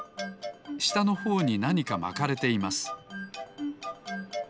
したのほうになにかまかれています